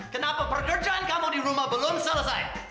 kenapa pekerjaan kamu di rumah belum selesai